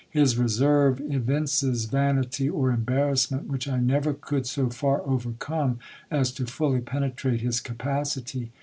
His reserve evinces vanity or embarrassment, which I never could so far overcome as to fully penetrate his capacity.